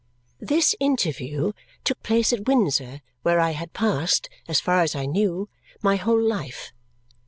This interview took place at Windsor, where I had passed (as far as I knew) my whole life.